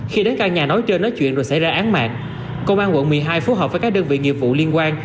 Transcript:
khi đến căn nhà nói chơi nói chuyện rồi xảy ra án mạng công an quận một mươi hai phối hợp với các đơn vị nghiệp vụ liên quan